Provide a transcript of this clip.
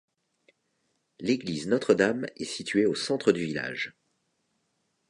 L'église Notre-Dame est située au centre du village.